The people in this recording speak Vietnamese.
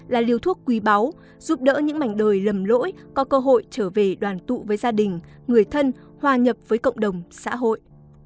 là liều thuốc quý báu giúp đỡ những mảnh đời lầm lỗi có cơ hội trở về đoàn tụ với gia đình người thân hòa nhập với cộng đồng xã hội